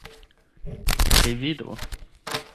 revido